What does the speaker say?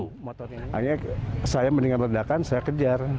hanya saya mendingan meledakan saya kejar